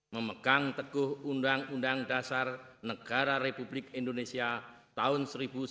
memegang teguh undang undang dasar negara republik indonesia tahun seribu sembilan ratus empat puluh lima